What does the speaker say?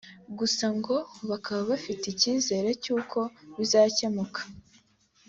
gusa ngo bakaba bafite icyizere cy’uko bizakemuka